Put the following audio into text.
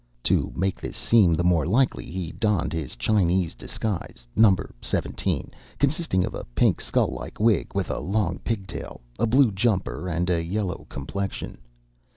To make this seem the more likely, he donned his Chinese disguise, Number Seventeen, consisting of a pink, skull like wig with a long pigtail, a blue jumper, and a yellow complexion.